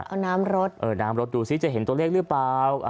เอาน้ำรถเออน้ำรถดูซิจะเห็นตัวเลขหรือเปล่า